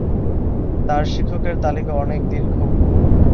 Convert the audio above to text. তার শিক্ষকের তালিকা অনেক দীর্ঘ।